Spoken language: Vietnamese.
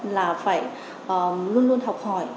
là phải luôn luôn học hỏi